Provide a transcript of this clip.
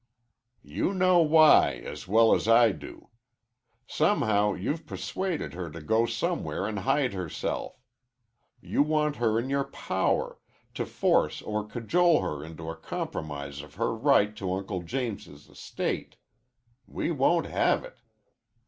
"You know why as well as I do. Somehow you've persuaded her to go somewhere and hide herself. You want her in your power, to force or cajole her into a compromise of her right to Uncle James's estate. We won't have it."